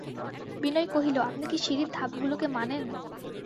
বিনয় কহিল, আপনি কি সিঁড়ির ধাপগুলোকে মানেন?